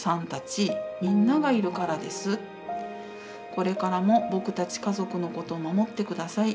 「これからも僕たち家族のことを守ってください。